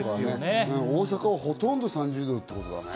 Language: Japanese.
大阪はほとんど３０度ってことだね。